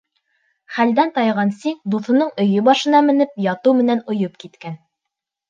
Хәлдән тайған Сиң, дуҫының өйө башына менеп ятыу менән ойоп киткән.